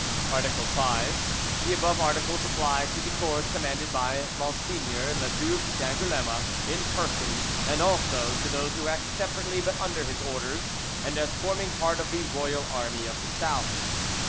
"Art. 5. The above articles apply to the corps commanded by Mgr. le Duc d'Angouleme in person, and also to those who act separately but under his orders, and as forming part of the royal army of the South.